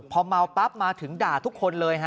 พอเมาปั๊บมาถึงด่าทุกคนเลยฮะ